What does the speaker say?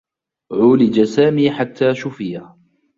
عولِج سامي حتّى شفي.